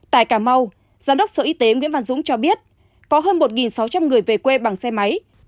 tại cà mau giám đốc sở y tế nguyễn văn dũng cho biết có hơn một sáu trăm linh người về quê bằng xe máy